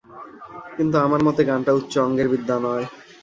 কিন্তু, আমার মতে গানটা উচ্চ অঙ্গের বিদ্যা নয়।